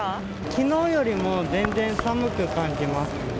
きのうよりも全然寒く感じます。